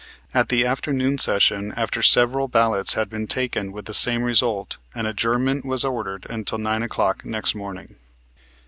At the afternoon session, after several ballots had been taken with the same result, an adjournment was ordered until 9 o'clock next morning.